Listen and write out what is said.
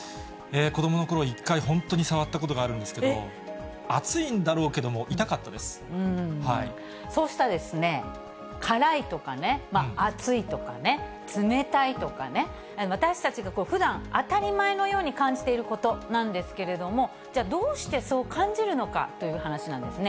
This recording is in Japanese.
子どものころ、一回、本当に触ったことがあるんですけど、熱いんだろうけども、痛かったでそうした辛いとかね、熱いとかね、冷たいとかね、私たちがふだん、当たり前のように感じていることなんですけれども、じゃあ、どうしてそう感じるのかという話なんですね。